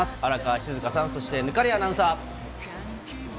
荒川静香さん、そして忽滑谷アナウンサー。